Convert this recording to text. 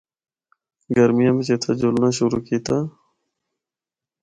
گرمیاں بچ اِتھا جُلنا شروع کیتا۔